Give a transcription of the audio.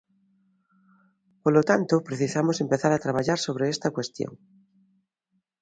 Polo tanto, precisamos empezar a traballar sobre esta cuestión.